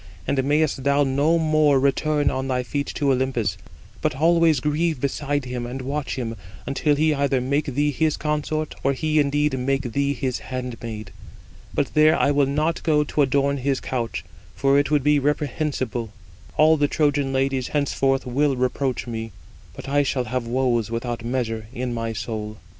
And mayest thou no more return on thy feet to Olympus: but always grieve beside him, and watch him, until he either make thee his consort, or he indeed [make thee] his handmaid. But there I will not go to adorn his couch, for it would be reprehensible: all the Trojan ladies henceforth will reproach me. But I shall have woes without measure in my soul."